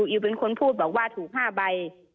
อิวเป็นคนพูดบอกว่าถูก๕ใบ